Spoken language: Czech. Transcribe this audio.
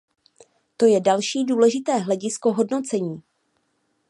To je další důležité hledisko hodnocení.